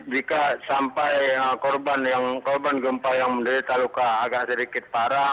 jika sampai korban gempa yang menderita luka agak sedikit parah